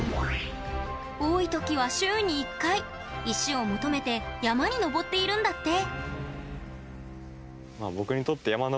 多い時は週に１回、石を求めて山に登っているんだって。